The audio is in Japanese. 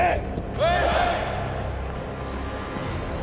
はい！